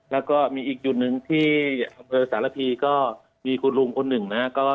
และอีกดุลหนึ่งที่สารพีมีคุณลุงคนหนึ่ง